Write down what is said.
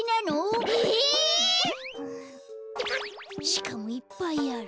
しかもいっぱいある。